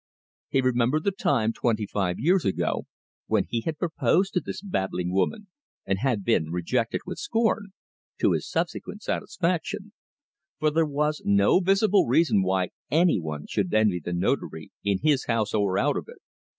He remembered the time, twenty five years ago, when he had proposed to this babbling woman, and had been rejected with scorn to his subsequent satisfaction; for there was no visible reason why any one should envy the Notary, in his house or out of it.